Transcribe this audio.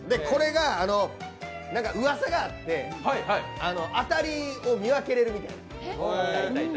これがうわさがあって当たりを見分けれるみたいな。